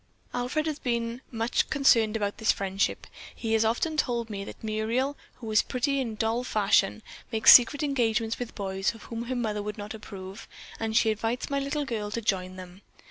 Alfred has been much concerned about this friendship. He has often told me that Muriel, who is pretty in doll fashion, makes secret engagements with boys of whom her mother would not approve, and she invites my little girl to join them.